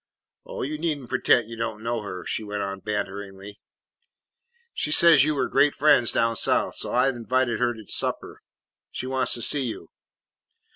"Oh, you need n't pretend you don't know her," she went on banteringly. "She says you were great friends down South, so I 've invited her to supper. She wants to see you."